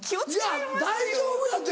いや大丈夫やて。